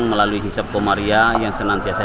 melalui hisap komaria yang senantiasa